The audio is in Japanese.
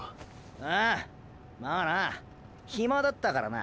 ああ⁉まあなヒマだったからな。